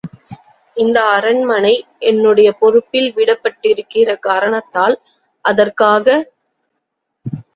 இந்த அரண்மனை என்னுடைய பொறுப்பில் விடப்பட்டிருக்கிற காரணத்தால்... அதற்காக...?